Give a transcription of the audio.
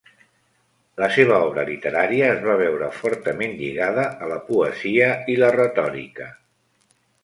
La seva obra literària es va veure fortament lligada a la poesia i la retòrica.